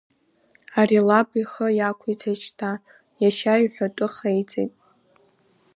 Ари лаб ихы иақәиҵеит шьҭа, иашьа иҳәатәы хеиҵеит.